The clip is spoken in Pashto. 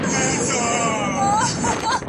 او نور